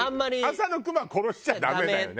「朝のクモは殺しちゃダメ」だよね。